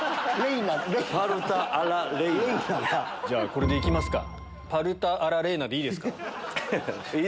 これで行きますかパルタ・ア・ラ・レイナでいいですか？